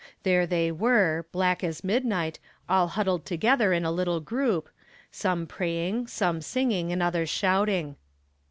There they were, black as midnight, all huddled together in a little group some praying, some singing, and others shouting.